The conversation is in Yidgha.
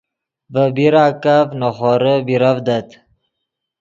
ڤے پیراکف نے خورے بیرڤدت